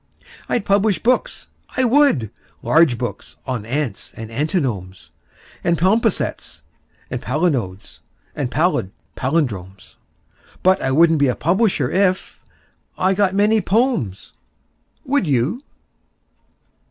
I'd publish books, I would large books on ants and antinomes And palimpsests and palinodes and pallid pallindromes: But I wouldn't be a publisher if .... I got many "pomes." Would you?